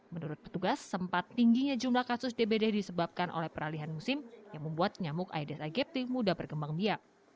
menurut petugas sempat tingginya jumlah kasus dbd disebabkan oleh peralihan musim yang membuat nyamuk aedes aegypti mudah berkembang biak